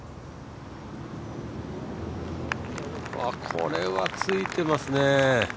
これはついてますね。